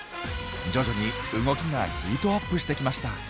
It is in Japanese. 徐々に動きがヒートアップしてきました。